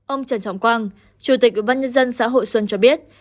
ông trần trọng quang chủ tịch ubnd xã hội xuân cho biết